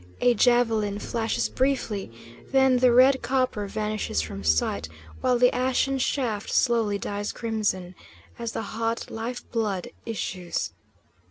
A javelin flashes briefly, then the red copper vanishes from sight, while the ashen shaft slowly dyes crimson, as the hot life blood issues.